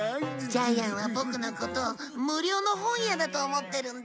ジャイアンはボクのことを無料の本屋だと思ってるんだ。